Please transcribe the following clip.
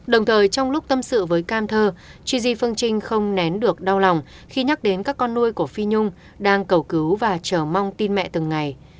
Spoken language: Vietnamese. đồng thời trong lúc tâm sự với cam thơ chuj di phương trinh không nén được đau lòng khi nhắc đến các con nuôi của phi nhung đang cầu cứu và chờ mong tin mẹ từng ngày